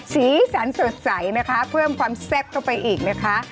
สีสันสดใสนะคะเพิ่มความแซ่บเข้าไปอีกนะคะ